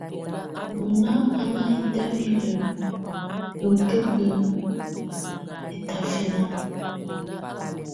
Mɔ̀ná à ná itǝ́bilǝ́ lutǝ́kǝ́ ɛtafɛla.